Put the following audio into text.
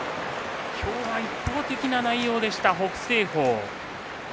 今日は一方的な内容でした北青鵬。